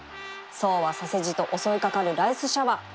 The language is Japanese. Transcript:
そうはさせじと襲い掛かるライスシャワー